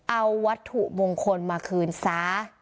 เอาวัตถุภูมิวงคลมาคืนซ๊า